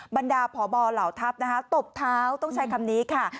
บรรดาพบเหล่าทัพนะคะตบเท้าต้องใช้คำนี้ค่ะ